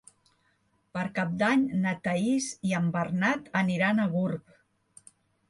Per Cap d'Any na Thaís i en Bernat aniran a Gurb.